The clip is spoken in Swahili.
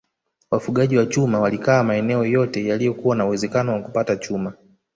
Wafuaji wa chuma walikaa maeneo yote yaliyokuwa na uwezekano wa kupata chuma